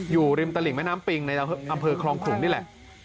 อยู่ริมตลิ่งแม่น้ำปิงในอำเภอคลองขลุงนี่แหละ